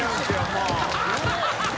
もう。